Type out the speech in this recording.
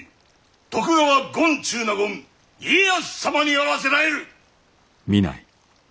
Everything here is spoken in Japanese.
徳川権中納言家康様にあらせられる！